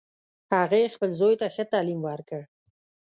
هغې خپل زوی ته ښه تعلیم ورکړ